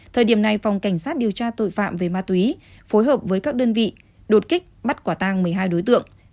thời điểm này phòng cảnh sát điều tra tội phạm về ma túy phối hợp với các đơn vị đột kích bắt quả tang một mươi hai đối tượng